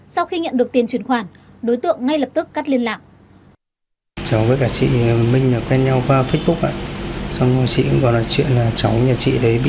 sau khi nhận được tiền truyền khoản đối tượng ngay lập tức cắt liên lạc